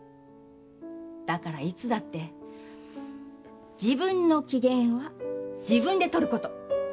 だから、いつだって自分の機嫌は自分でとること。